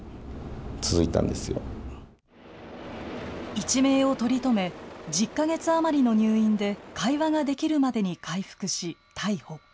一命を取り留め１０か月余りの入院で会話ができるまでに回復し、逮捕。